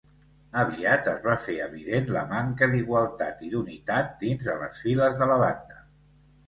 Aviat es va fer evident la manca d'igualtat i d'unitat dins de les files de la banda.